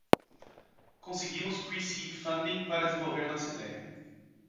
Conseguimos pre-seed funding para desenvolver nossa ideia.